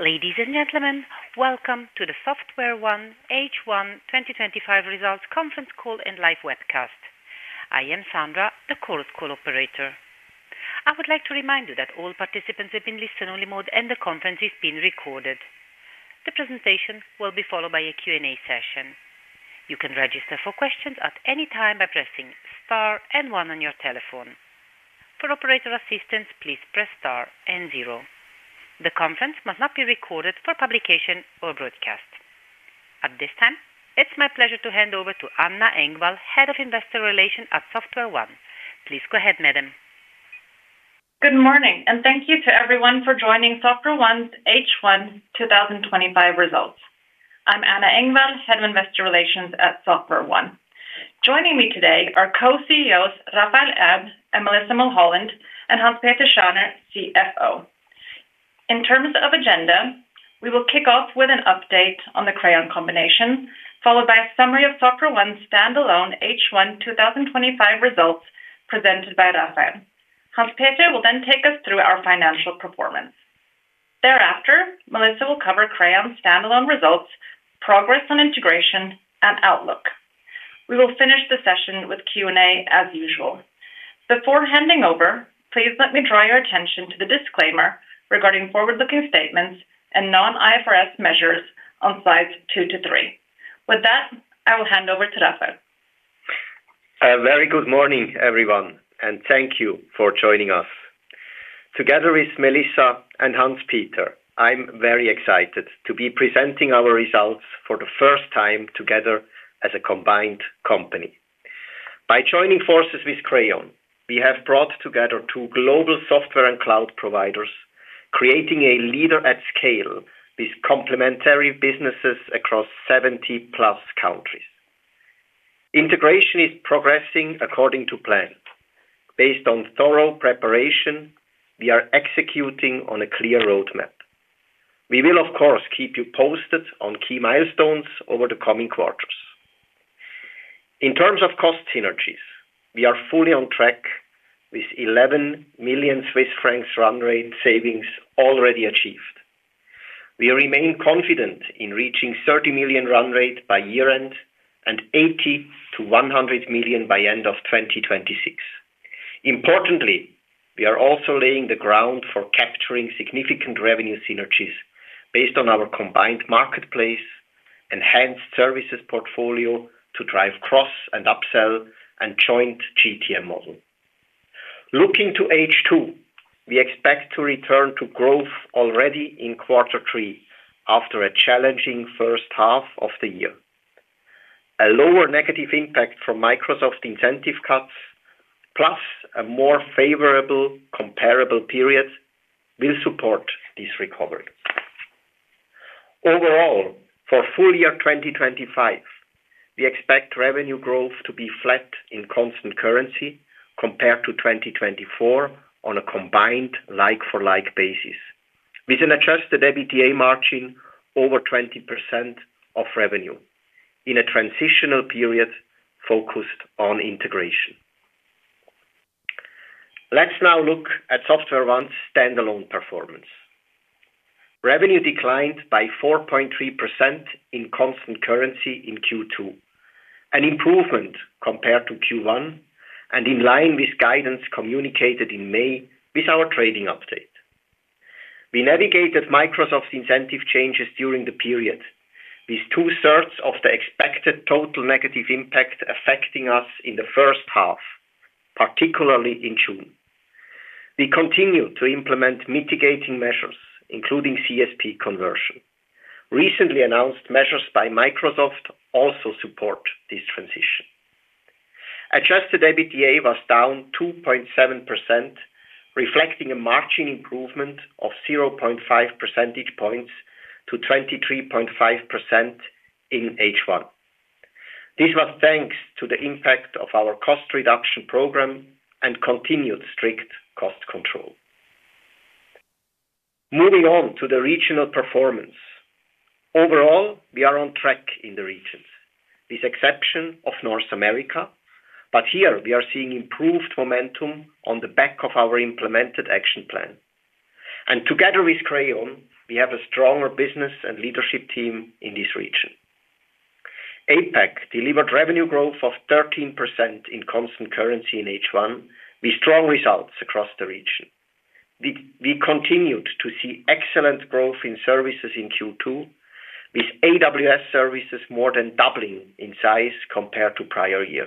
Ladies and gentlemen, welcome to the SoftwareOne H1 2025 Results Conference Call and Live Webcast. I am Sandra, the call cooperator. I would like to remind you that all participants are in listen-only mode and the conference is being recorded. The presentation will be followed by a Q&A session. You can register for questions at any time by pressing *1 on your telephone. For operator assistance, please press *0. The conference must not be recorded for publication or broadcast. At this time, it's my pleasure to hand over to Anna Engvall, Head of Investor Relations at SoftwareOne. Please go ahead, madam. Good morning, and thank you to everyone for joining SoftwareOne's H1 2025 Results. I'm Anna Engvall, Head of Investor Relations at SoftwareOne. Joining me today are Co-CEOs Raphael Erb and Melissa Mulholland, and Hanspeter Schraner, CFO. In terms of agenda, we will kick off with an update on the Crayon combination, followed by a summary of SoftwareOne's standalone H1 2025 results presented by Raphael. Hanspeter will then take us through our financial performance. Thereafter, Melissa will cover Crayon's standalone results, progress on integration, and outlook. We will finish the session with Q&A as usual. Before handing over, please let me draw your attention to the disclaimer regarding forward-looking statements and non-IFRS measures on slides 2 to 3. With that, I will hand over to Raphael. A very good morning, everyone, and thank you for joining us. Together with Melissa and Hanspeter, I'm very excited to be presenting our results for the first time together as a combined company. By joining forces with Crayon, we have brought together two global software and cloud providers, creating a leader at scale with complementary businesses across 70+ countries. Integration is progressing according to plan. Based on thorough preparation, we are executing on a clear roadmap. We will, of course, keep you posted on key milestones over the coming quarters. In terms of cost synergies, we are fully on track with 11 million Swiss francs run-rate savings already achieved. We remain confident in reaching 30 million run-rate by year-end and 80-100 million by end of 2026. Importantly, we are also laying the ground for capturing significant revenue synergies based on our combined marketplace and enhanced services portfolio to drive cross and upsell and joint GTM model. Looking to H2, we expect to return to growth already in quarter three after a challenging first half of the year. A lower negative impact from Microsoft incentive cuts, plus a more favorable comparable period, will support this recovery. Overall, for full year 2025, we expect revenue growth to be flat in constant currency compared to 2024 on a combined like-for-like basis, with an adjusted EBITDA margin over 20% of revenue in a transitional period focused on integration. Let's now look at SoftwareOne's standalone performance. Revenue declined by 4.3% in constant currency in Q2, an improvement compared to Q1, and in line with guidance communicated in May with our trading update. We navigated Microsoft's incentive changes during the period, with two-thirds of the expected total negative impact affecting us in the first half, particularly in June. We continue to implement mitigating measures, including CSP conversion. Recently announced measures by Microsoft also support this transition. Adjusted EBITDA was down 2.7%, reflecting a margin improvement of 0.5 percentage points to 23.5% in H1. This was thanks to the impact of our cost reduction program and continued strict cost control. Moving on to the regional performance. Overall, we are on track in the regions, with the exception of North America, but here we are seeing improved momentum on the back of our implemented action plan. Together with Crayon, we have a stronger business and leadership team in this region. APAC delivered revenue growth of 13% in constant currency in H1, with strong results across the region. We continued to see excellent growth in services in Q2, with AWS services more than doubling in size compared to prior year.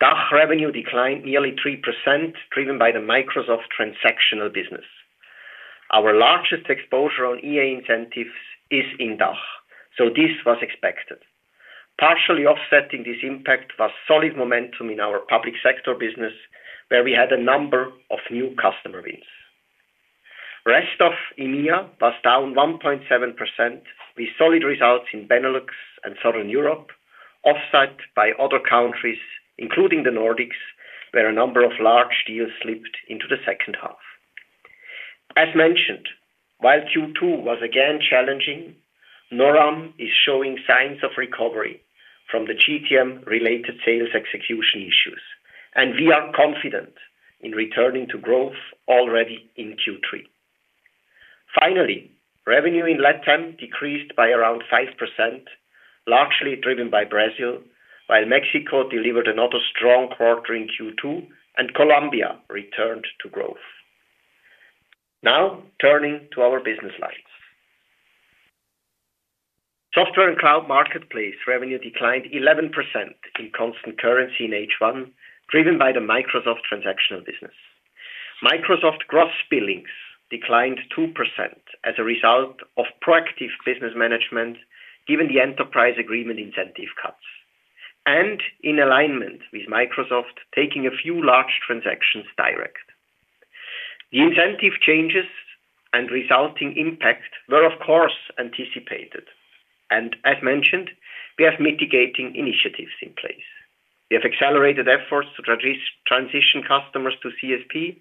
DACH revenue declined nearly 3%, driven by the Microsoft transactional business. Our largest exposure on EA incentives is in DACH, so this was expected. Partially offsetting this impact was solid momentum in our public sector business, where we had a number of new customer wins. Rest of EMEA was down 1.7%, with solid results in Benelux and Southern Europe, offset by other countries, including the Nordics, where a number of large deals slipped into the second half. As mentioned, while Q2 was again challenging, NORAM is showing signs of recovery from the GTM-related sales execution issues, and we are confident in returning to growth already in Q3. Finally, revenue in LATAM decreased by around 5%, largely driven by Brazil, while Mexico delivered another strong quarter in Q2, and Colombia returned to growth. Now, turning to our business lines. Software and cloud marketplace revenue declined 11% in constant currency in H1, driven by the Microsoft transactional business. Microsoft gross billings declined 2% as a result of proactive business management, given the Enterprise Agreement incentive cuts, and in alignment with Microsoft taking a few large transactions direct. The incentive changes and resulting impact were, of course, anticipated, and as mentioned, we have mitigating initiatives in place. We have accelerated efforts to transition customers to CSP,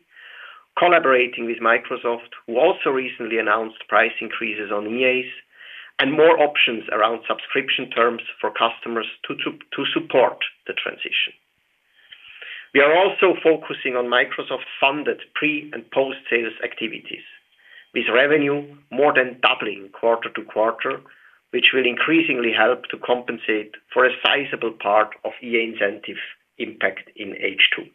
collaborating with Microsoft, who also recently announced price increases on EAs, and more options around subscription terms for customers to support the transition. We are also focusing on Microsoft-funded pre- and post-sales activities, with revenue more than doubling quarter to quarter, which will increasingly help to compensate for a sizable part of EA incentives impact in H2.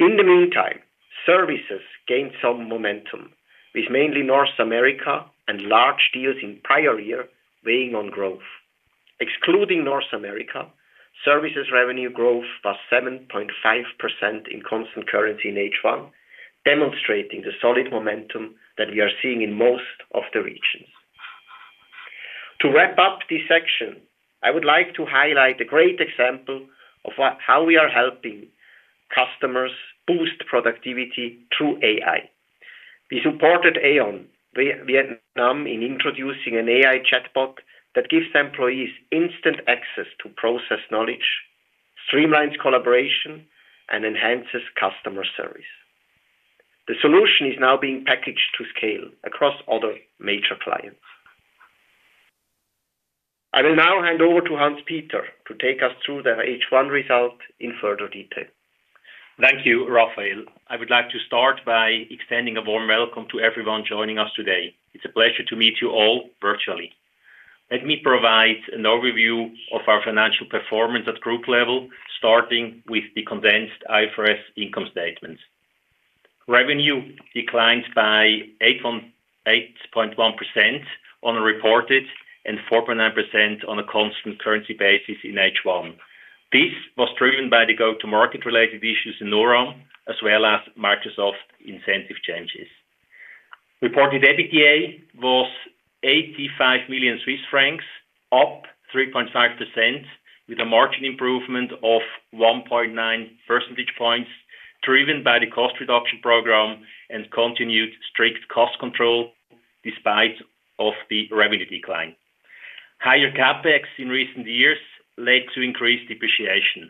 In the meantime, services gained some momentum, with mainly North America and large deals in prior year weighing on growth. Excluding North America, services revenue growth was 7.5% in constant currency in H1, demonstrating the solid momentum that we are seeing in most of the regions. To wrap up this section, I would like to highlight a great example of how we are helping customers boost productivity through AI. We supported AION Vietnam in introducing an AI chatbot that gives employees instant access to process knowledge, streamlines collaboration, and enhances customer service. The solution is now being packaged to scale across other major clients. I will now hand over to Hanspeter to take us through the H1 result in further detail. Thank you, Raphael. I would like to start by extending a warm welcome to everyone joining us today. It's a pleasure to meet you all virtually. Let me provide an overview of our financial performance at group level, starting with the condensed IFRS income statements. Revenue declined by 8.1% on a reported and 4.9% on a constant currency basis in H1. This was driven by the go-to-market related issues in NORAM, as well as Microsoft incentive changes. Reported EBITDA was 85 million Swiss francs, up 3.5%, with a margin improvement of 1.9 percentage points, driven by the cost reduction program and continued strict cost control despite the revenue decline. Higher CapEx in recent years led to increased depreciation.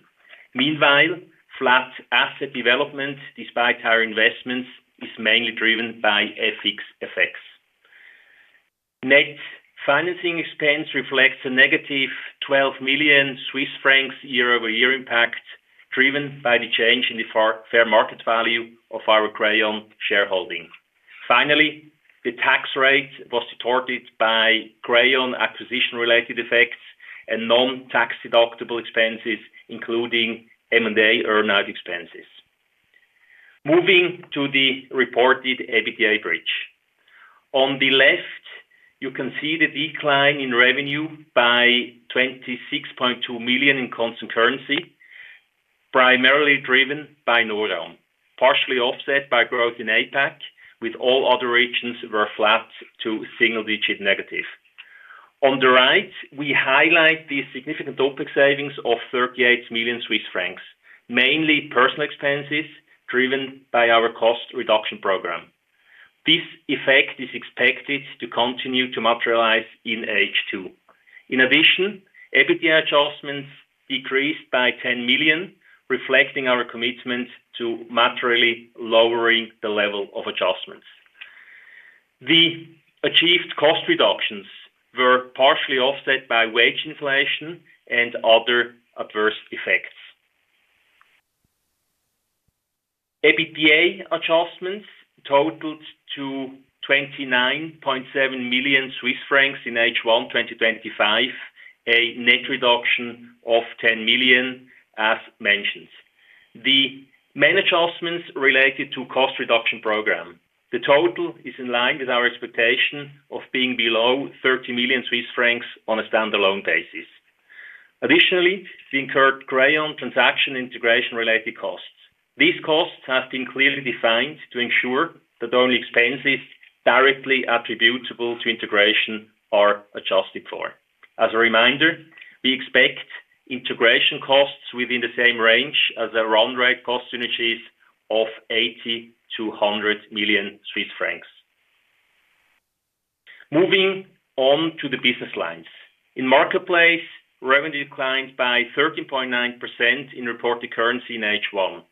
Meanwhile, flat asset development despite higher investments is mainly driven by FX effects. Net financing expense reflects a negative 12 million Swiss francs year-over-year impact, driven by the change in the fair market value of our Crayon shareholding. Finally, the tax rate was supported by Crayon acquisition-related effects and non-tax deductible expenses, including M&A earnout expenses. Moving to the reported EBITDA average. On the left, you can see the decline in revenue by 26.2 million in constant currency, primarily driven by NORAM, partially offset by growth in APAC, with all other regions flat to single-digit negative. On the right, we highlight the significant OpEx savings of 38 million Swiss francs, mainly personnel expenses driven by our cost reduction program. This effect is expected to continue to materialize in H2. In addition, EBITDA adjustments decreased by 10 million, reflecting our commitment to materially lowering the level of adjustments. The achieved cost reductions were partially offset by wage inflation and other adverse effects. EBITDA adjustments totaled 29.7 million Swiss francs in H1 2025, a net reduction of 10 million, as mentioned. The main adjustments related to the cost reduction program. The total is in line with our expectation of being below 30 million Swiss francs on a standalone basis. Additionally, we incurred Crayon transaction integration-related costs. These costs have been clearly defined to ensure that only expenses directly attributable to integration are adjusted for. As a reminder, we expect integration costs within the same range as the run-rate cost synergies of CHF 80 million-CHF 100 million. Moving on to the business lines. In the marketplace, revenue declined by 13.9% in reported currency in H1.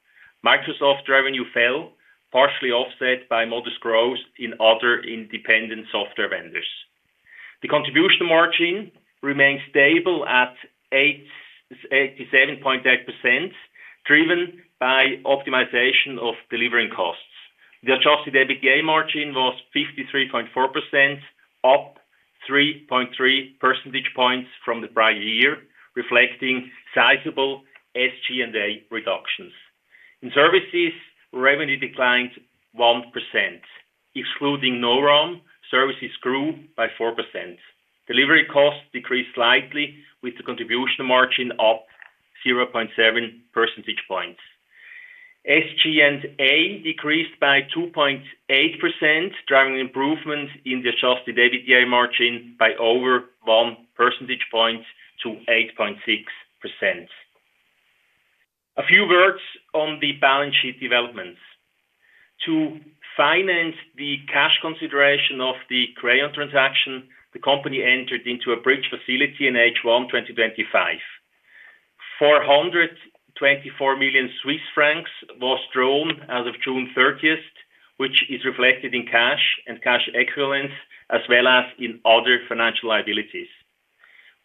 Microsoft revenue fell, partially offset by modest growth in other independent software vendors. The contribution margin remains stable at 87.8%, driven by optimization of delivery costs. The adjusted EBITDA margin was 53.4%, up 3.3 percentage points from the prior year, reflecting sizable SG&A reductions. In services, revenue declined 1%. Excluding NORAM, services grew by 4%. Delivery costs decreased slightly, with the contribution margin up 0.7 percentage points. SG&A decreased by 2.8%, driving improvements in the adjusted EBITDA margin by over 1 percentage point to 8.6%. A few words on the balance sheet developments. To finance the cash consideration of the Crayon transaction, the company entered into a bridge facility in H1 2025. 424 million Swiss francs were drawn as of June, 30, which is reflected in cash and cash equivalents, as well as in other financial liabilities.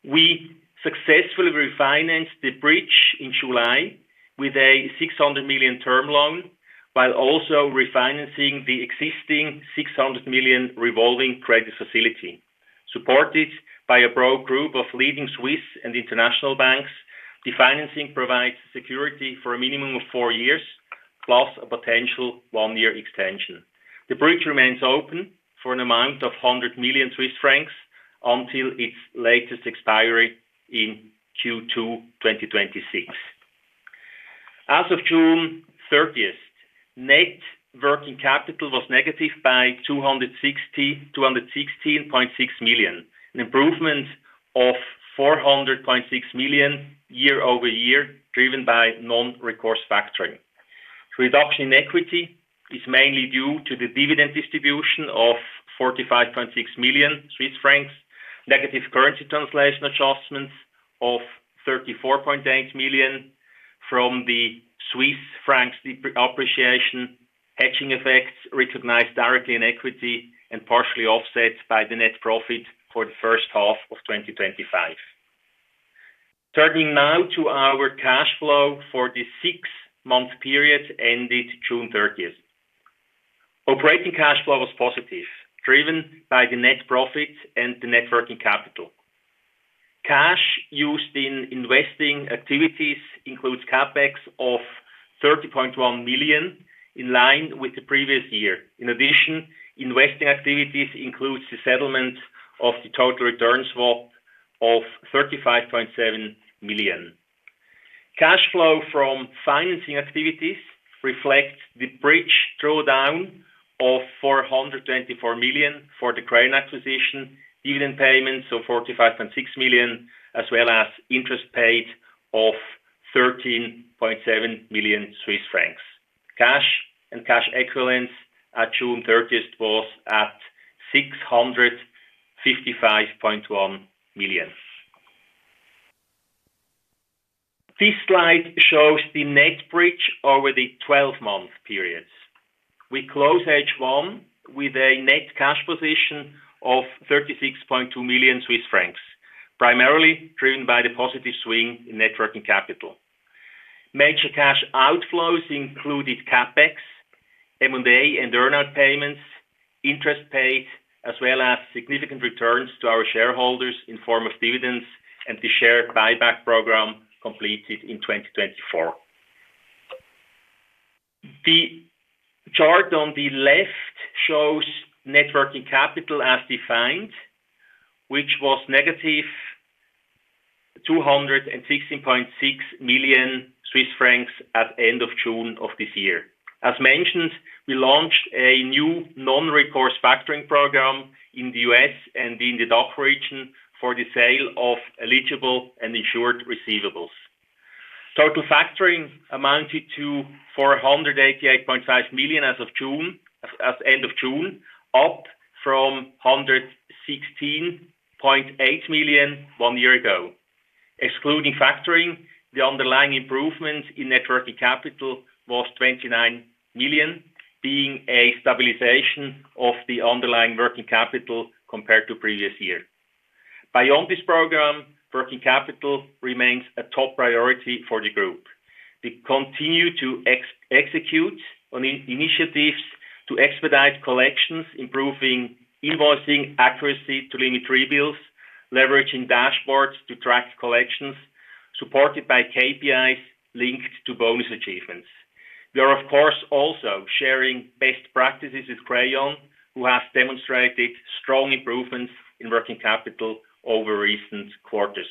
We successfully refinanced the bridge in July with a 600 million term loan, while also refinancing the existing 600 million revolving credit facility. Supported by a broad group of leading Swiss and international banks, the financing provides security for a minimum of four years, plus a potential one-year extension. The bridge remains open for an amount of 100 million Swiss francs until its latest expiry in Q2 2026. As of June 30, net working capital was negative by 216.6 million, an improvement of 400.6 million year-over-year, driven by non-recourse factoring. The reduction in equity is mainly due to the dividend distribution of 45.6 million Swiss francs, negative currency translation adjustments of 34.8 million from the Swiss franc appreciation, hedging effects recognized directly in equity, and partially offset by the net profit for the first half of 2025. Turning now to our cash flow for the six-month period ended June 30. Operating cash flow was positive, driven by the net profit and the net working capital. Cash used in investing activities includes CapEx of 30.1 million, in line with the previous year. In addition, investing activities include the settlement of the total returns of 35.7 million. Cash flow from financing activities reflects the bridge drawdown of 424 million for the Crayon acquisition, dividend payments of 45.6 million, as well as interest paid of 13.7 million Swiss francs. Cash and cash equivalents at June, 30 were at CHF 655.1 million. This slide shows the net bridge over the 12-month period. We close H1 with a net cash position of 36.2 million Swiss francs, primarily driven by the positive swing in net working capital. Major cash outflows included CapEx, M&A, and earnout payments, interest paid, as well as significant returns to our shareholders in the form of dividends and the share buyback program completed in 2024. The chart on the left shows net working capital as defined, which was negative 216.6 million Swiss francs at the end of June of this year. As mentioned, we launched a new non-recourse factoring program in the U.S. and in the DACH region for the sale of eligible and insured receivables. Total factoring amounted to 488.5 million at the end of June, up from 116.8 million one year ago. Excluding factoring, the underlying improvement in net working capital was 29 million, being a stabilization of the underlying working capital compared to the previous year. Beyond this program, working capital remains a top priority for the group. We continue to execute on initiatives to expedite collections, improving invoicing accuracy to limit rebills, leveraging dashboards to track collections, supported by KPIs linked to bonus achievements. We are, of course, also sharing best practices with Crayon, who have demonstrated strong improvements in working capital over recent quarters.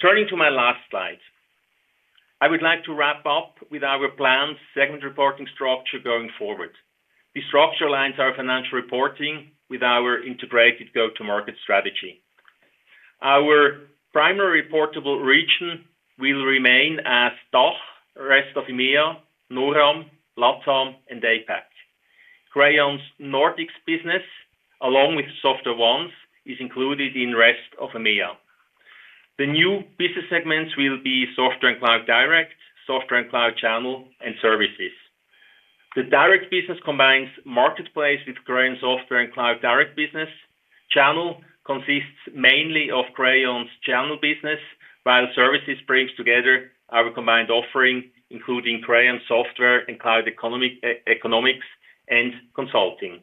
Turning to my last slide, I would like to wrap up with our planned segment reporting structure going forward. The structure aligns our financial reporting with our integrated go-to-market strategy. Our primary reportable region will remain as DACH, the rest of EMEA, NORAM, LATAM, and APAC. Crayon's Nordics business, along with SoftwareOne, is included in the rest of EMEA. The new business segments will be Software and Cloud Direct, Software and Cloud Channel, and Services. The direct business combines marketplace with Crayon's Software and Cloud Direct business. Channel consists mainly of Crayon's Channel business, while Services brings together our combined offering, including Crayon's Software and Cloud Economics and Consulting.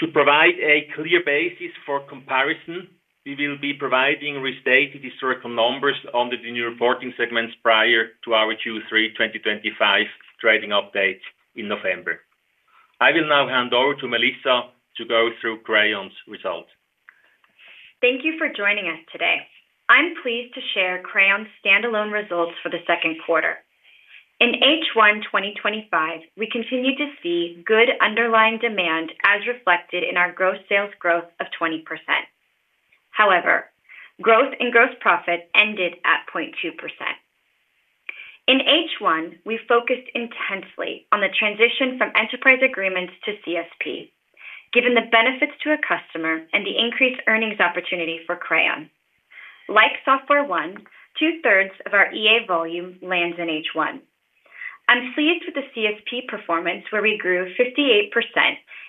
To provide a clear basis for comparison, we will be providing restated historical numbers under the new reporting segments prior to our Q3 2025 trading update in November. I will now hand over to Melissa to go through Crayon's results. Thank you for joining us today. I'm pleased to share Crayon's standalone results for the second quarter. In H1 2025, we continue to see good underlying demand as reflected in our gross sales growth of 20%. However, growth in gross profit ended at 0.2%. In H1, we focused intensely on the transition from Enterprise Agreements to CSP, given the benefits to a customer and the increased earnings opportunity for Crayon. Like SoftwareOne, two thirds of our EA volume lands in H1. I'm pleased with the CSP performance, where we grew 58%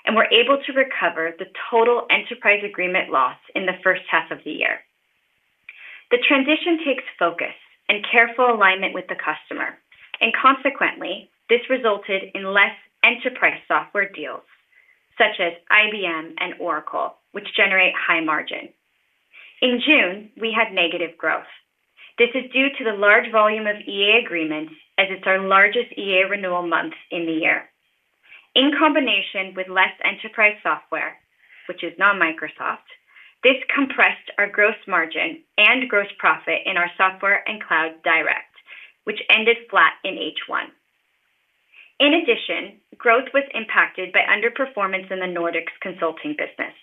and were able to recover the total Enterprise Agreement loss in the first half of the year. The transition takes focus and careful alignment with the customer, and consequently, this resulted in less enterprise software deals, such as IBM and Oracle, which generate high margin. In June, we had negative growth. This is due to the large volume of EA agreements, as it's our largest EA renewal month in the year. In combination with less enterprise software, which is not Microsoft, this compressed our gross margin and gross profit in our Software and Cloud Direct, which ended flat in H1. In addition, growth was impacted by underperformance in the Nordics consulting business.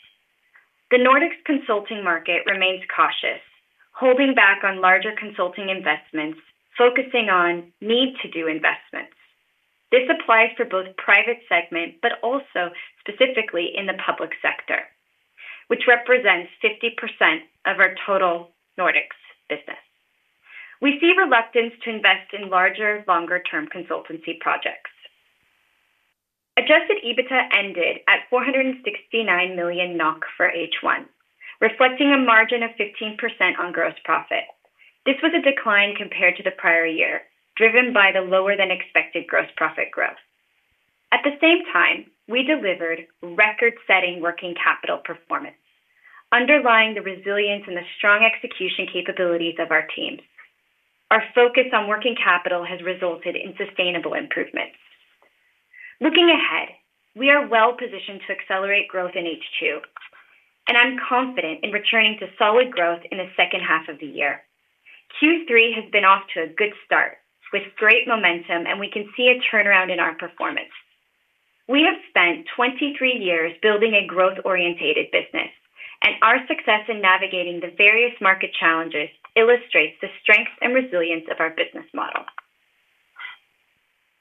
The Nordics consulting market remains cautious, holding back on larger consulting investments, focusing on need-to-do investments. This applies for both the private segment, but also specifically in the public sector, which represents 50% of our total Nordics business. We see reluctance to invest in larger, longer-term consultancy projects. Adjusted EBITDA ended at 469 million NOK for H1, reflecting a margin of 15% on gross profit. This was a decline compared to the prior year, driven by the lower than expected gross profit growth. At the same time, we delivered record-setting working capital performance, underlying the resilience and the strong execution capabilities of our teams. Our focus on working capital has resulted in sustainable improvements. Looking ahead, we are well positioned to accelerate growth in H2, and I'm confident in returning to solid growth in the second half of the year. Q3 has been off to a good start, with great momentum, and we can see a turnaround in our performance. We have spent 23 years building a growth-oriented business, and our success in navigating the various market challenges illustrates the strength and resilience of our business model.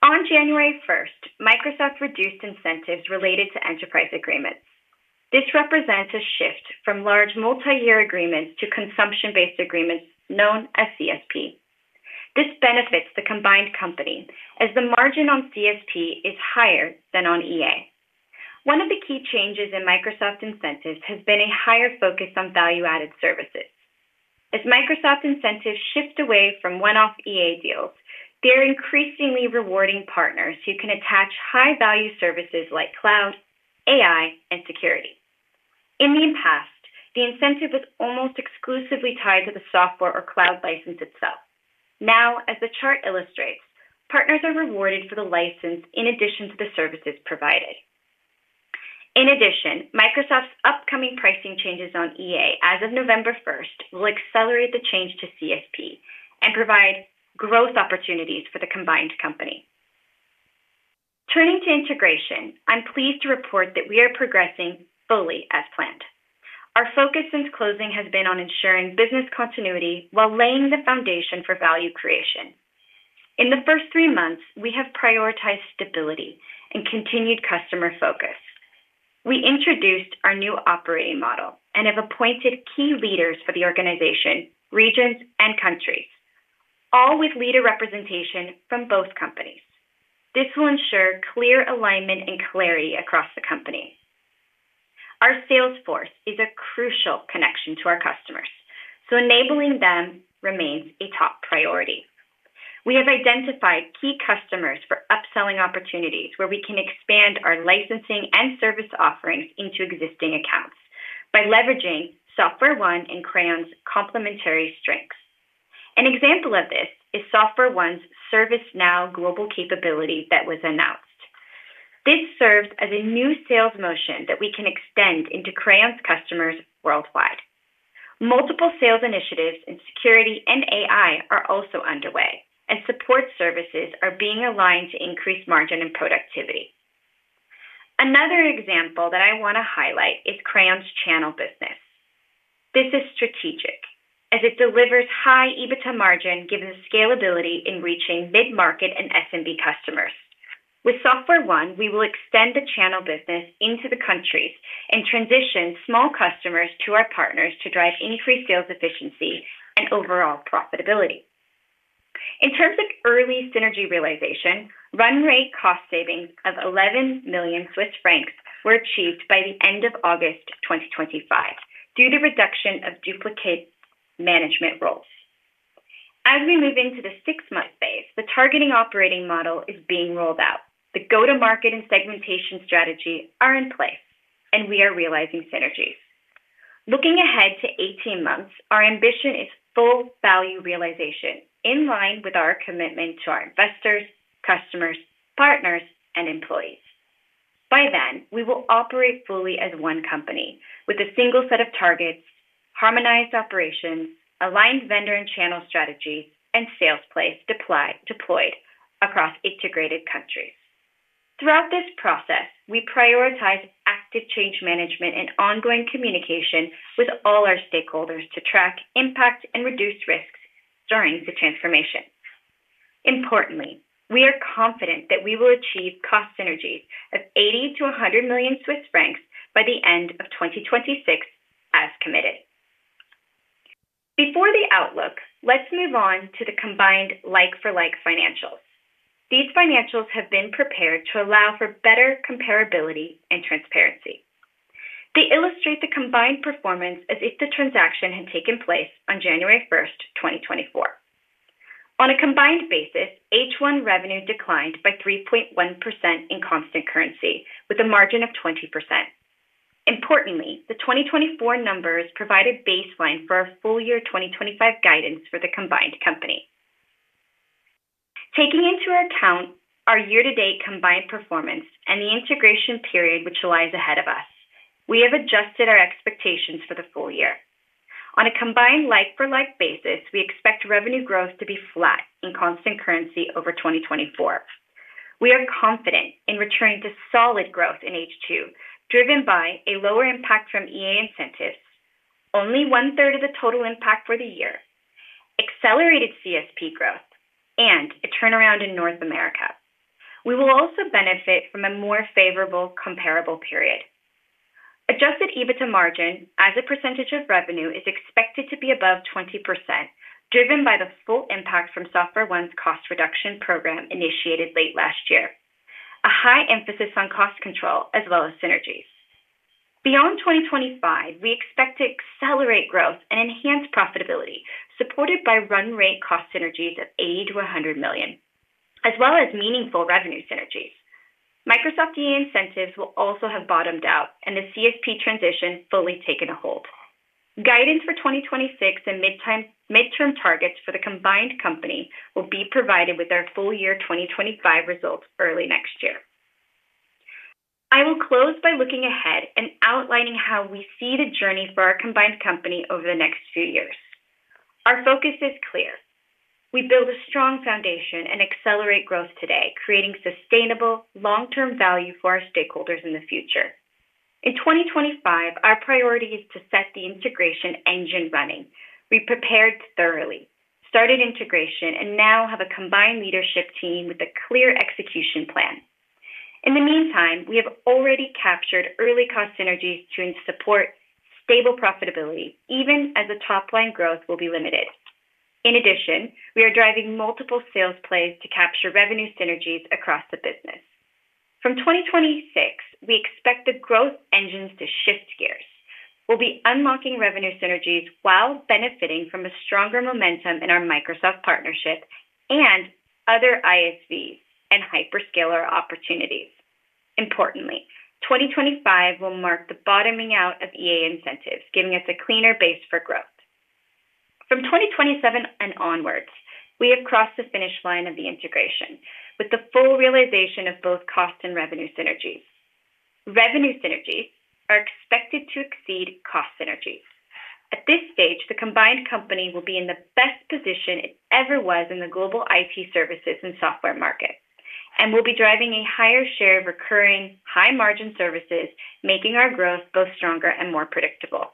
On January 1st, Microsoft reduced incentives related to Enterprise Agreements. This represents a shift from large multi-year agreements to consumption-based agreements known as CSP. This benefits the combined company, as the margin on CSP is higher than on EA. One of the key changes in Microsoft incentives has been a higher focus on value-added services. As Microsoft incentives shift away from one-off EA deals, they are increasingly rewarding partners who can attach high-value services like cloud, AI, and security. In the past, the incentive was almost exclusively tied to the software or cloud license itself. Now, as the chart illustrates, partners are rewarded for the license in addition to the services provided. In addition, Microsoft's upcoming pricing changes on EA as of November 1st will accelerate the change to CSP and provide growth opportunities for the combined company. Turning to integration, I'm pleased to report that we are progressing fully as planned. Our focus since closing has been on ensuring business continuity while laying the foundation for value creation. In the first three months, we have prioritized stability and continued customer focus. We introduced our new operating model and have appointed key leaders for the organization, regions, and countries, all with leader representation from both companies. This will ensure clear alignment and clarity across the company. Our sales force is a crucial connection to our customers, so enabling them remains a top priority. We have identified key customers for upselling opportunities where we can expand our licensing and service offerings into existing accounts by leveraging SoftwareOne and Crayon's complementary strengths. An example of this is SoftwareOne's ServiceNow global capability that was announced. This serves as a new sales motion that we can extend into Crayon's customers worldwide. Multiple sales initiatives in security and AI are also underway, and support services are being aligned to increase margin and productivity. Another example that I want to highlight is Crayon's Channel business. This is strategic, as it delivers high EBITDA margin given the scalability in reaching mid-market and SMB customers. With SoftwareOne, we will extend the Channel business into the countries and transition small customers to our partners to drive increased sales efficiency and overall profitability. In terms of early synergy realization, run-rate cost savings of 11 million Swiss francs were achieved by the end of August, 2025 due to the reduction of duplicate management roles. As we move into the six-month phase, the target operating model is being rolled out. The go-to-market and segmentation strategy are in play, and we are realizing synergies. Looking ahead to 18 months, our ambition is full value realization, in line with our commitment to our investors, customers, partners, and employees. By then, we will operate fully as one company with a single set of targets, harmonized operations, aligned vendor and channel strategies, and sales plans deployed across integrated countries. Throughout this process, we prioritize active change management and ongoing communication with all our stakeholders to track impact and reduce risks during the transformation. Importantly, we are confident that we will achieve cost synergies of 80-100 million Swiss francs by the end of 2026 as committed. Before the outlook, let's move on to the combined like-for-like financials. These financials have been prepared to allow for better comparability and transparency. They illustrate the combined performance as if the transaction had taken place on January 1st, 2024. On a combined basis, H1 revenue declined by 3.1% in constant currency with a margin of 20%. Importantly, the 2024 numbers provide a baseline for our full year 2025 guidance for the combined company. Taking into account our year-to-date combined performance and the integration period which lies ahead of us, we have adjusted our expectations for the full year. On a combined like-for-like basis, we expect revenue growth to be flat in constant currency over 2024. We are confident in returning to solid growth in H2, driven by a lower impact from Microsoft Enterprise Agreement incentives, only one third of the total impact for the year, accelerated Cloud Solution Provider growth, and a turnaround in North America. We will also benefit from a more favorable comparable period. Adjusted EBITDA margin as a percentage of revenue is expected to be above 20%, driven by the full impact from SoftwareOne's cost reduction program initiated late last year, a high emphasis on cost control as well as synergies. Beyond 2025, we expect to accelerate growth and enhance profitability, supported by run-rate cost synergies of 80-100 million, as well as meaningful revenue synergies. Microsoft Enterprise Agreement incentives will also have bottomed out and the Cloud Solution Provider transition fully taken a hold. Guidance for 2026 and midterm targets for the combined company will be provided with our full year 2025 results early next year. I will close by looking ahead and outlining how we see the journey for our combined company over the next few years. Our focus is clear. We build a strong foundation and accelerate growth today, creating sustainable long-term value for our stakeholders in the future. In 2025, our priority is to set the integration engine running. We prepared thoroughly, started integration, and now have a combined leadership team with a clear execution plan. In the meantime, we have already captured early cost synergies to support stable profitability, even as the top line growth will be limited. In addition, we are driving multiple sales plans to capture revenue synergies across the business. From 2026, we expect the growth engines to shift gears. We'll be unlocking revenue synergies while benefiting from a stronger momentum in our Microsoft partnership and other ISV and hyperscaler opportunities. Importantly, 2025 will mark the bottoming out of EA incentives, giving us a cleaner base for growth. From 2027 and onwards, we have crossed the finish line of the integration with the full realization of both cost and revenue synergies. Revenue synergies are expected to exceed cost synergies. At this stage, the combined company will be in the best position it ever was in the global IT services and software market, and we'll be driving a higher share of recurring high-margin services, making our growth both stronger and more predictable.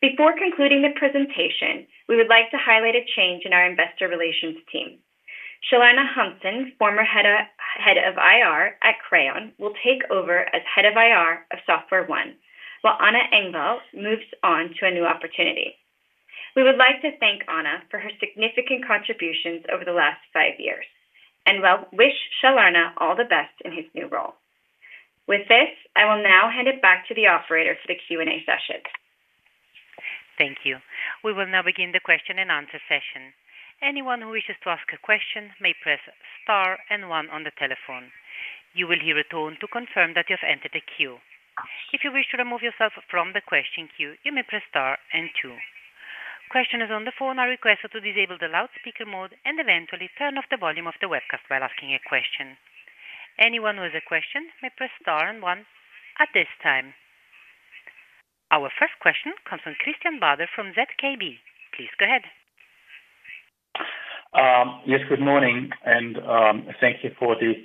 Before concluding the presentation, we would like to highlight a change in our Investor Relations team. Shalana Humson, former Head of IR at Crayon, will take over as Head of IR of SoftwareOne, while Anna Engvall moves on to a new opportunity. We would like to thank Anna for her significant contributions over the last five years and wish Shalana all the best in her new role. With this, I will now hand it back to the operator for the Q&A session. Thank you. We will now begin the question and answer session. Anyone who wishes to ask a question may press star and one on the telephone. You will hear a tone to confirm that you have entered the queue. If you wish to remove yourself from the question queue, you may press star and two. Questioners on the phone are requested to disable the loudspeaker mode and eventually turn off the volume of the webcast while asking a question. Anyone who has a question may press star and one at this time. Our first question comes from Christian Bader from ZKB. Please go ahead. Yes, good morning, and thank you for this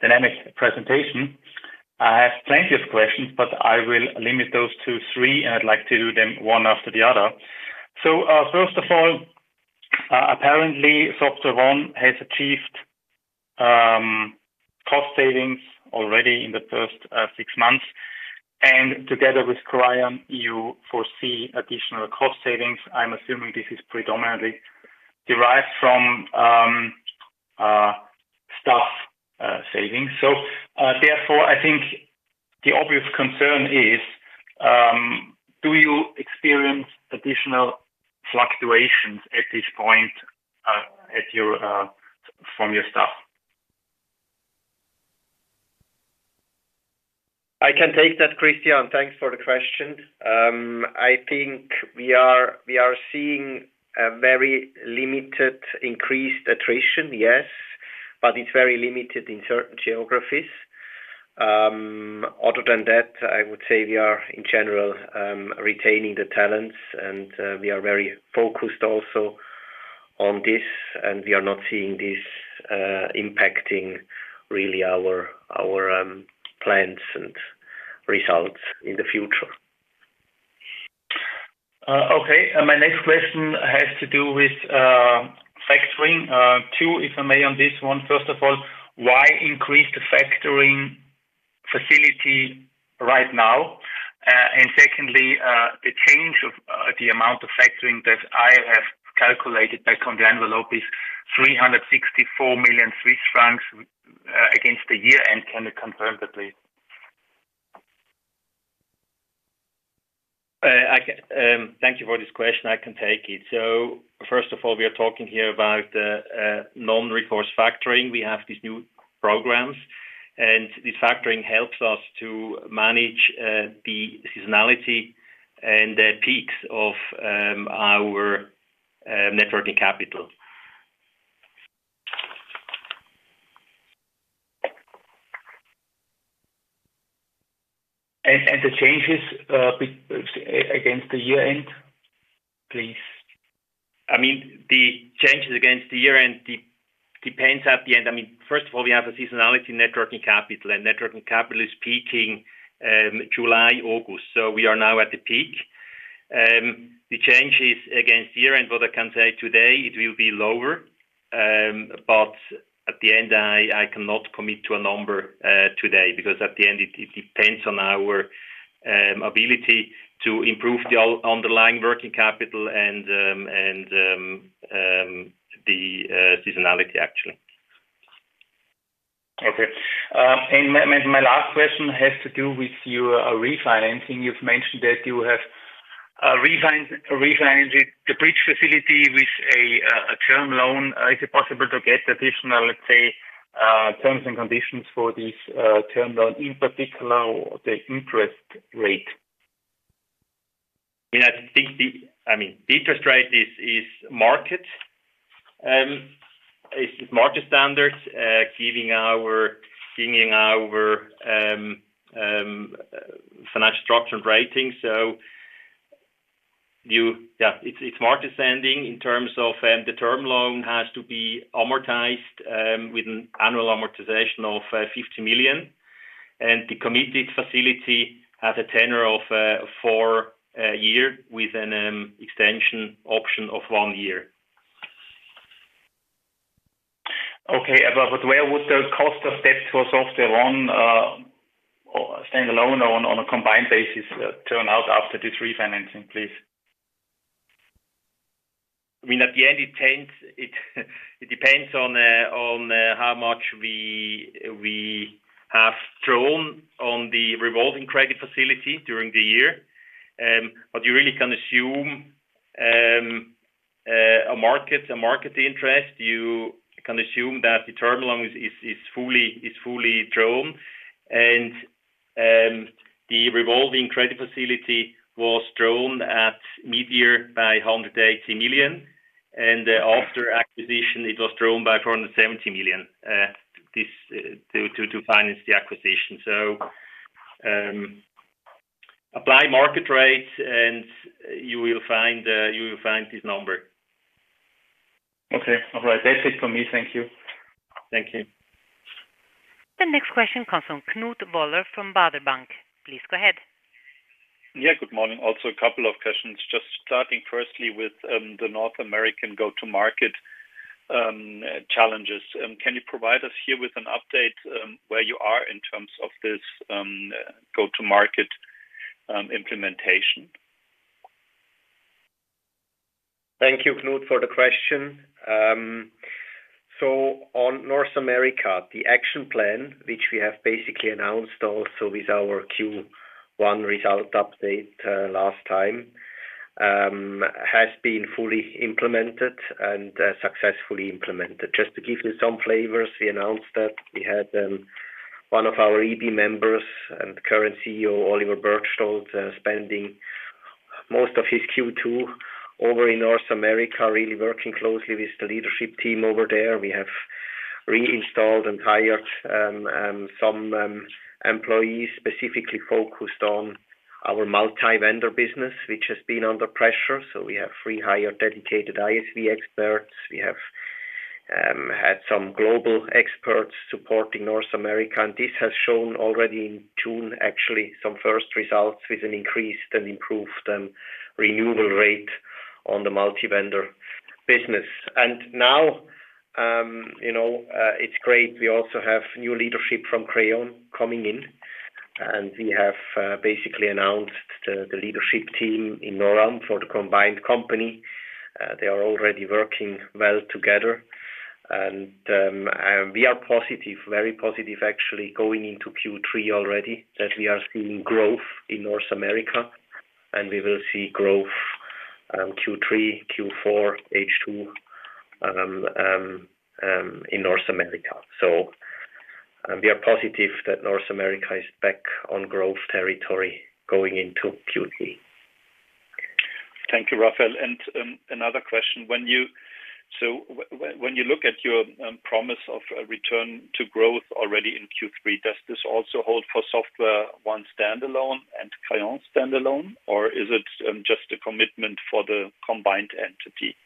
dynamic presentation. I have plenty of questions, but I will limit those to three, and I'd like to do them one after the other. First of all, apparently, SoftwareOne has achieved cost savings already in the first six months, and together with Crayon you foresee additional cost savings. I'm assuming this is predominantly derived from staff savings. Therefore, I think the obvious concern is, do you experience additional fluctuations at this point from your staff? I can take that, Christian. Thanks for the question. I think we are seeing a very limited increased attrition, yes, but it's very limited in certain geographies. Other than that, I would say we are in general retaining the talents, and we are very focused also on this, and we are not seeing this impacting really our plans and results in the future. Okay. My next question has to do with factoring too, if I may, on this one. First of all, why increase the factoring facility right now? Secondly, the change of the amount of factoring that I have calculated back on the envelope is 364 million Swiss francs against the year, and can you confirm that? Thank you for this question. I can take it. First of all, we are talking here about the non-recourse factoring. We have these new programs, and this factoring helps us to manage the seasonality and peaks of our net working capital. provide the changes against the year-end. The changes against the year-end depend at the end. First of all, we have a seasonality in net working capital, and net working capital is peaking in July, August. We are now at the peak. The changes against the year-end, what I can say today, it will be lower, but at the end, I cannot commit to a number today because at the end, it depends on our ability to improve the underlying working capital and the seasonality, actually. Okay. My last question has to do with your refinancing. You've mentioned that you have refinanced the bridge facility with a term loan. Is it possible to get additional, let's say, terms and conditions for this term loan, in particular, the interest rate? I mean, I think the interest rate is market standard, given our financial structure and rating. It's market standing in terms of the term loan, which has to be amortized with an annual amortization of $50 million, and the committed facility has a tenure of four years with an extension option of one year. Where would the cost of debt for SoftwareOne standalone or on a combined basis turn out after this refinancing, please? At the end, it depends on how much we have drawn on the revolving credit facility during the year. You really can assume a market interest. You can assume that the term loan is fully drawn, and the revolving credit facility was drawn at mid-year by $180 million, and after acquisition, it was drawn by $470 million to finance the acquisition. Apply market rate, and you will find this number. Okay. All right. That's it for me. Thank you. Thank you. The next question comes from Knut Woller from Baader Bank. Please go ahead. Good morning. A couple of questions. Just starting firstly with the North American go-to-market challenges. Can you provide us here with an update where you are in terms of this go-to-market implementation? Thank you, Knut, for the question. On North America, the action plan, which we have basically announced also with our Q1 result update last time, has been fully implemented and successfully implemented. Just to give you some flavors, we announced that we had one of our EB members and the current CEO, Oliver Berchtold, spending most of his Q2 over in North America, really working closely with the leadership team over there. We have reinstalled and hired some employees specifically focused on our multi-vendor business, which has been under pressure. We have rehired dedicated ISV experts. We have had some global experts supporting North America, and this has shown already in June, actually, some first results with an increased and improved renewal rate on the multi-vendor business. It is great. We also have new leadership from Crayon coming in, and we have basically announced the leadership team in NORAM for the combined company. They are already working well together, and we are positive, very positive, actually, going into Q3 already that we are seeing growth in North America, and we will see growth Q3, Q4, H2 in North America. We are positive that North America is back on growth territory going into Q3. Thank you, Raphael. Another question. When you look at your promise of return to growth already in Q3, does this also hold for SoftwareOne standalone and Crayon standalone, or is it just a commitment for the combined entity?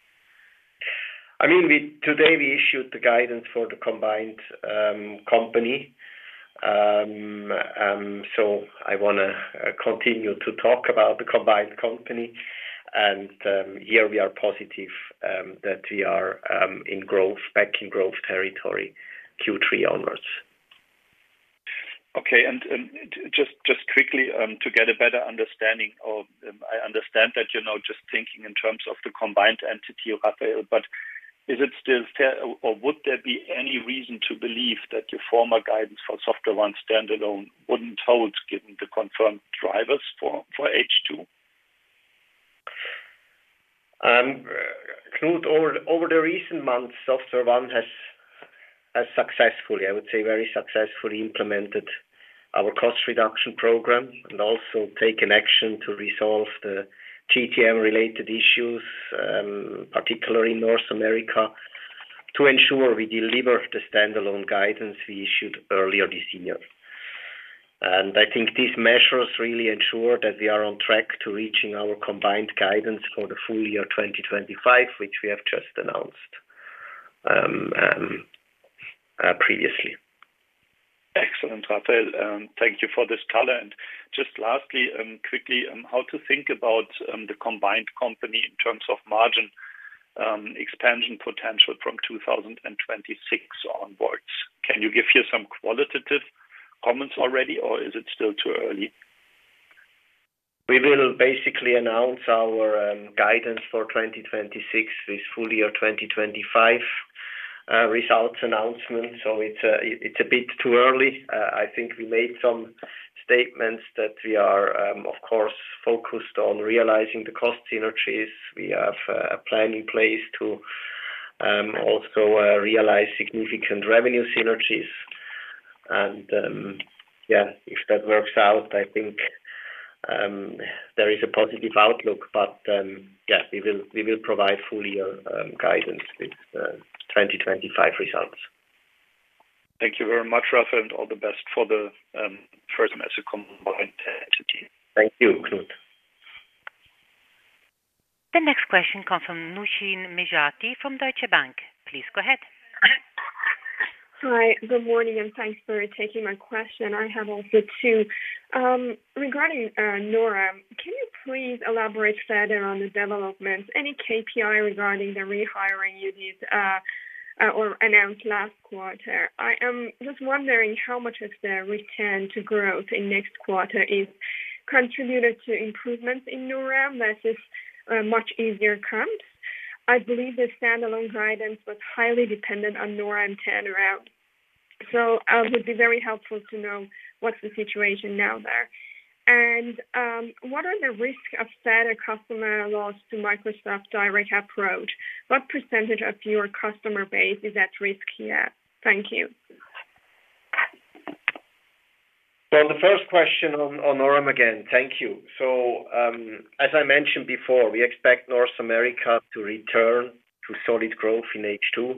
Today we issued the guidance for the combined company. I want to continue to talk about the combined company, and here we are positive that we are in growth, back in growth territory Q3 onwards. Okay. Just quickly, to get a better understanding, I understand that you're now just thinking in terms of the combined entity, Raphael, but is it still fair, or would there be any reason to believe that your former guidance for SoftwareOne standalone wouldn't hold given the confirmed drivers for H2? Knut, over the recent months, SoftwareOne has successfully, I would say, very successfully implemented our cost reduction program and also taken action to resolve the GTM-related issues, particularly in North America, to ensure we deliver the standalone guidance we issued earlier this year. I think these measures really ensure that we are on track to reaching our combined guidance for the full year 2025, which we have just announced previously. Excellent, Raphael. Thank you for this talent. Just lastly, quickly, how to think about the combined company in terms of margin expansion potential from 2026 onwards? Can you give here some qualitative comments already, or is it still too early? We will basically announce our guidance for 2026 with full year 2025 results announcement. It's a bit too early. I think we made some statements that we are, of course, focused on realizing the cost synergies. We have a plan in place to also realize significant revenue synergies. If that works out, I think there is a positive outlook. We will provide full year guidance with 2025 results. Thank you very much, Raphael, and all the best for the first as a combined entity. Thank you, Knut. The next question comes from Nooshin Nejati from Deutsche Bank. Please go ahead. Hi. Good morning, and thanks for taking my question. I have also two. Regarding NORAM, can you please elaborate further on the development? Any KPI regarding the rehiring you did or announced last quarter? I am just wondering how much of the return to growth in next quarter is contributed to improvements in NORAM versus a much easier account. I believe the standalone guidance was highly dependent on NORAM turnaround. It would be very helpful to know what's the situation now there. What are the risks of further customer loss to Microsoft Direct approach? What % of your customer base is at risk here? Thank you. The first question on North America again, thank you. As I mentioned before, we expect North America to return to solid growth in H2,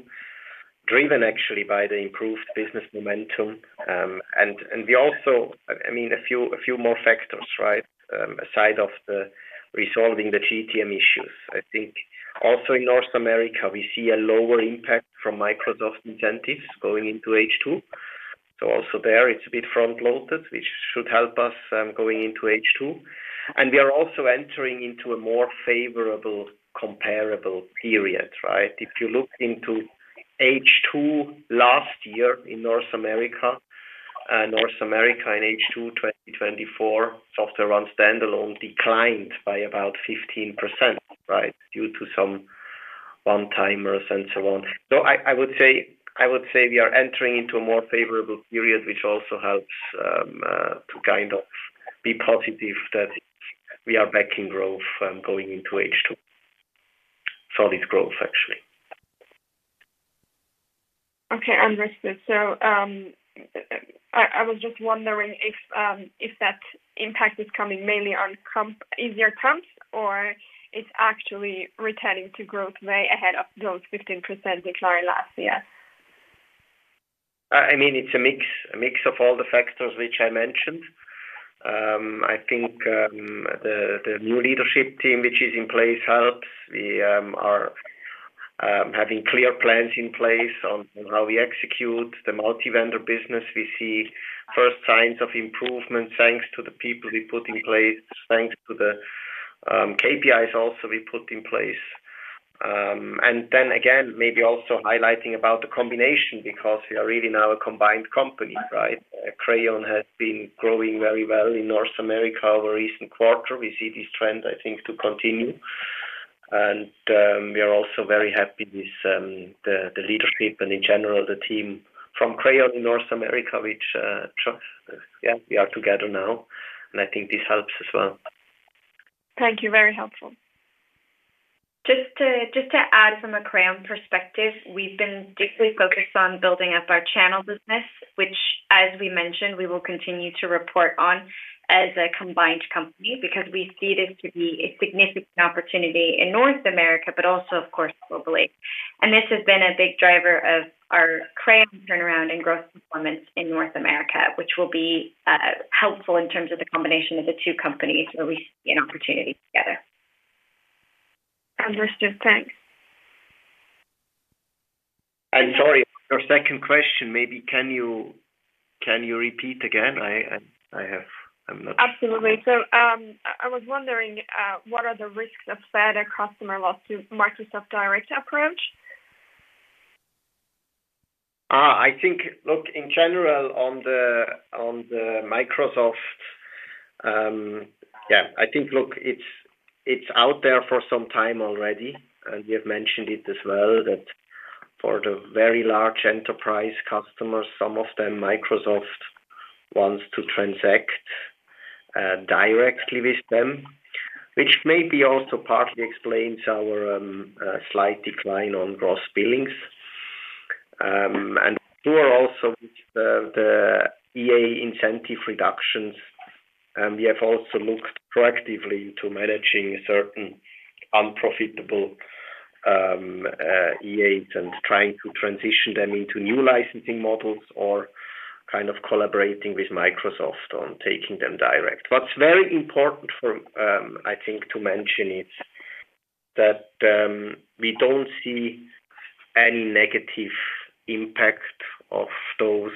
driven actually by the improved business momentum. There are also a few more factors, aside from resolving the GTM issues. I think also in North America, we see a lower impact from Microsoft incentives going into H2. There, it's a bit front-loaded, which should help us going into H2. We are also entering into a more favorable comparable period. If you look into H2 last year in North America, North America in H2 2024, SoftwareOne standalone declined by about 15% due to some one-timers and so on. I would say we are entering into a more favorable period, which also helps to be positive that we are back in growth going into H2. Solid growth, actually. Okay. Understood. I was just wondering if that impact is coming mainly on easier terms, or it's actually returning to growth way ahead of those 15% declined last year. I mean, it's a mix of all the factors which I mentioned. I think the new leadership team which is in place helps. We are having clear plans in place on how we execute the multi-vendor business. We see first signs of improvement thanks to the people we put in place, thanks to the KPIs also we put in place. Maybe also highlighting about the combination because we are really now a combined company, right? Crayon has been growing very well in North America over a recent quarter. We see this trend, I think, to continue. We are also very happy with the leadership and in general the team from Crayon in North America, which, yeah, we are together now. I think this helps as well. Thank you. Very helpful. Just to add from a Crayon perspective, we've been deeply focused on building up our channel business, which, as we mentioned, we will continue to report on as a combined company because we see this to be a significant opportunity in North America, but also, of course, globally. This has been a big driver of our Crayon turnaround and growth performance in North America, which will be helpful in terms of the combination of the two companies where we see an opportunity together. Understood. Thanks. Sorry, your second question, maybe can you repeat again? I'm not. Absolutely. I was wondering, what are the risks of further customer loss to Microsoft Direct approach? I think, in general, on the Microsoft, yeah, I think it's out there for some time already. You have mentioned it as well that for the very large enterprise customers, some of them Microsoft wants to transact directly with them, which maybe also partly explains our slight decline on gross billings. Also, with the EA incentive reductions, we have looked proactively into managing certain unprofitable EAs and trying to transition them into new licensing models or kind of collaborating with Microsoft on taking them direct. What's very important, I think, to mention is that we don't see any negative impact of those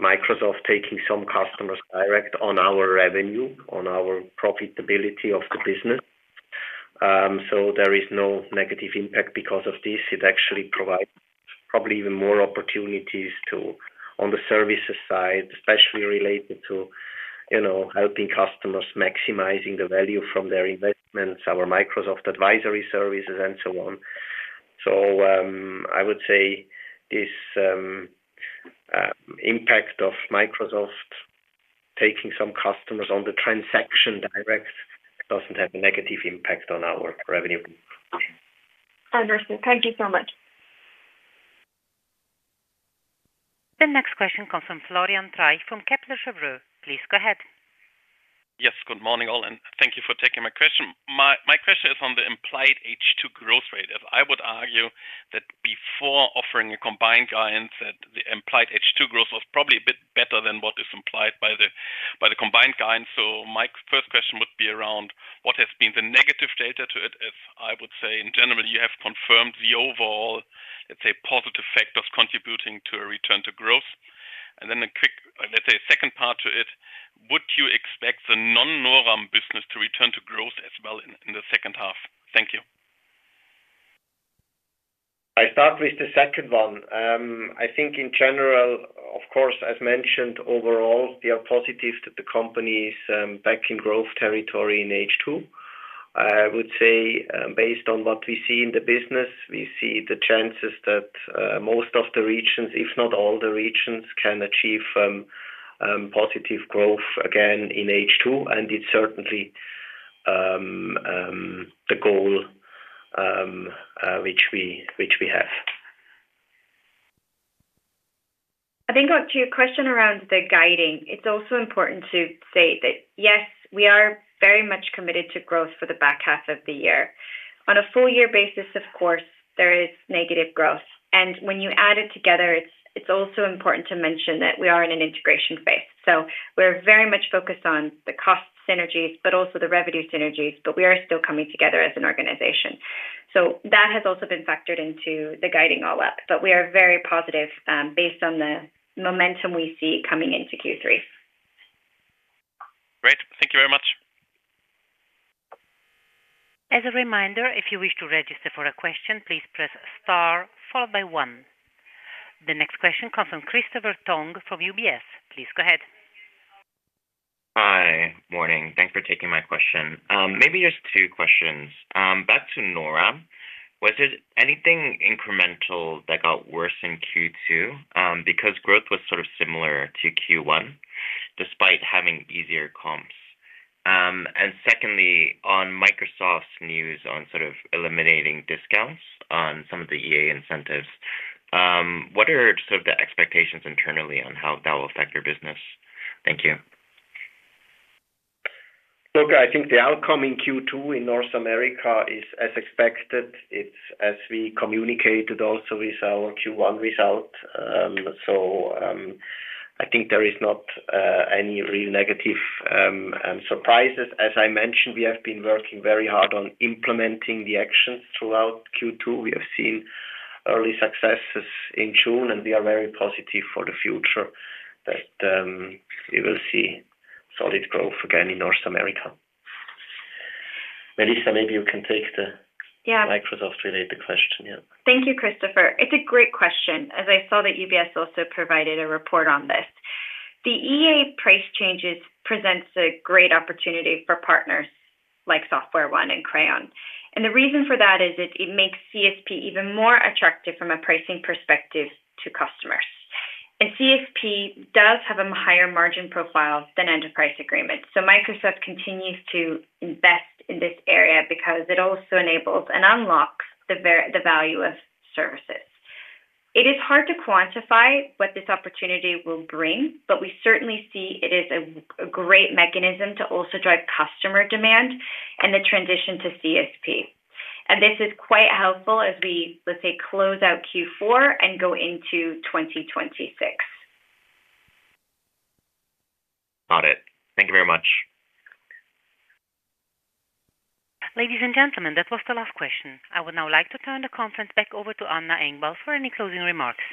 Microsoft taking some customers direct on our revenue, on our profitability of the business. There is no negative impact because of this. It actually provides probably even more opportunities on the services side, especially related to helping customers maximize the value from their investments, our Microsoft advisory services, and so on. I would say this impact of Microsoft taking some customers on the transaction direct doesn't have a negative impact on our revenue. Understood. Thank you so much. The next question comes from Florian Treisch from Kepler Cheuvreux. Please go ahead. Yes. Good morning all, and thank you for taking my question. My question is on the implied H2 growth rate. I would argue that before offering a combined guidance, the implied H2 growth was probably a bit better than what is implied by the combined guidance. My first question would be around what has been the negative data to it, as I would say in general, you have confirmed the overall, let's say, positive factors contributing to a return to growth. A quick, let's say, second part to it. Would you expect the non-NORAM business to return to growth as well in the second half? Thank you. I start with the second one. I think in general, of course, as mentioned, overall, we are positive that the company is back in growth territory in H2. I would say based on what we see in the business, we see the chances that most of the regions, if not all the regions, can achieve positive growth again in H2. It is certainly the goal which we have. I think on to your question around the guiding, it's also important to say that, yes, we are very much committed to growth for the back half of the year. On a full-year basis, of course, there is negative growth. When you add it together, it's also important to mention that we are in an integration phase. We are very much focused on the cost synergies, but also the revenue synergies, and we are still coming together as an organization. That has also been factored into the guiding all up. We are very positive based on the momentum we see coming into Q3. Great. Thank you very much. As a reminder, if you wish to register for a question, please press star followed by one. The next question comes from Christopher Tong from UBS. Please go ahead. Hi. Morning. Thanks for taking my question. Maybe just two questions. Back to NORAM, was it anything incremental that got worse in Q2 because growth was sort of similar to Q1 despite having easier comps? Secondly, on Microsoft's news on sort of eliminating discounts on some of the EA incentives, what are sort of the expectations internally on how that will affect your business? Thank you. Okay. I think the outcome in Q2 in North America is as expected. It's as we communicated also with our Q1 result. I think there is not any real negative surprises. As I mentioned, we have been working very hard on implementing the actions throughout Q2. We have seen early successes in June, and we are very positive for the future that we will see solid growth again in North America. Melissa, maybe you can take the Microsoft-related question. Yeah. Thank you, Christopher. It's a great question. As I saw that UBS also provided a report on this, the Enterprise Agreement price changes present a great opportunity for partners like SoftwareOne and Crayon. The reason for that is it makes Cloud Solution Provider even more attractive from a pricing perspective to customers. Cloud Solution Provider does have a higher margin profile than Enterprise Agreements. Microsoft continues to invest in this area because it also enables and unlocks the value of services. It is hard to quantify what this opportunity will bring, but we certainly see it is a great mechanism to also drive customer demand and the transition to Cloud Solution Provider. This is quite helpful as we, let's say, close out Q4 and go into 2026. Got it. Thank you very much. Ladies and gentlemen, that was the last question. I would now like to turn the conference back over to Anna Engvall for any closing remarks.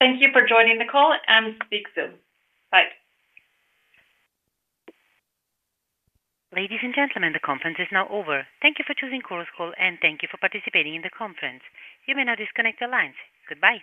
Thank you for joining the call and speak soon. Bye. Ladies and gentlemen, the conference is now over. Thank you for choosing Course Call, and thank you for participating in the conference. You may now disconnect the lines. Goodbye.